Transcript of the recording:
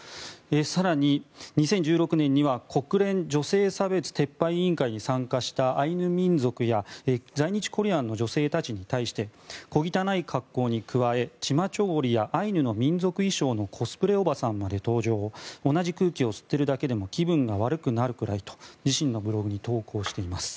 更に、２０１６年には国連女性差別撤廃委員会に参加したアイヌ民族や在日コリアンの女性たちに対して小汚い格好に加えチマチョゴリやアイヌの民族衣装のコスプレおばさんまで登場同じ空気を吸っているだけでも気分が悪くなるくらいと自信のブログに投稿しています。